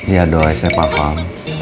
ya doi saya paham